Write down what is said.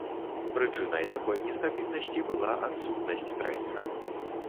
Прычынай такой нестабільнасці была адсутнасць трэнера.